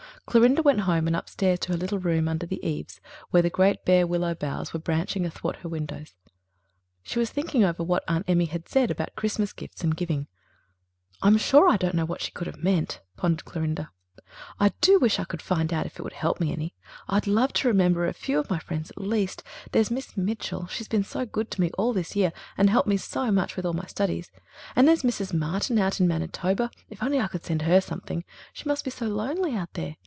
Clorinda went home and upstairs to her little room under the eaves, where the great bare willow boughs were branching athwart her windows. She was thinking over what Aunt Emmy had said about Christmas gifts and giving. "I'm sure I don't know what she could have meant," pondered Clorinda. "I do wish I could find out if it would help me any. I'd love to remember a few of my friends at least. There's Miss Mitchell ... she's been so good to me all this year and helped me so much with my studies. And there's Mrs. Martin out in Manitoba. If I could only send her something! She must be so lonely out there.